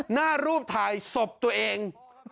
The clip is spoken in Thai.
หน้ารูปถ่ายศพตัวเอง